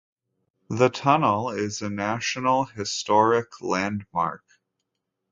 The tunnel is a National Historic Landmark.